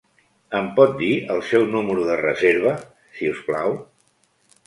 Em pot dir el seu número de reserva, si us plau?